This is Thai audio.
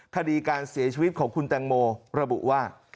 คดีการเสียชีวิตของคุณแตงโมระบุว่า